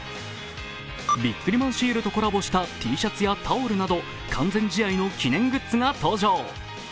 ビックリマンシールとコラボしたＴシャツやタオルなど完全試合の記念グッズが登場。